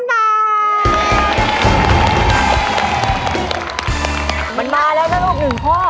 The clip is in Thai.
มันมาแล้วนะลูก๑ข้อ